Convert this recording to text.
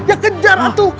ya kejar atuh